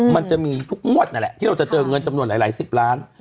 มันจะมีทุกงวดนั่นแหละที่เราจะเจอเงินจำนวนหลายสิบล้าน